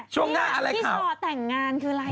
ช่วงหน้าอะไรข่าวที่ที่ต่อแต่งงานคืออะไร